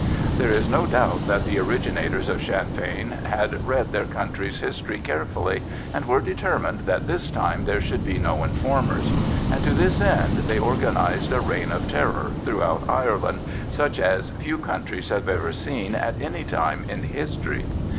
There is no doubt that the originators of Sinn Fein had read their country's history carefully, and were determined that this time there should be no informers; and to this end they organised a "Reign of Terror" throughout Ireland such as few countries have ever seen at any time in history.